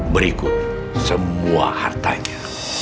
berikut semua hartanya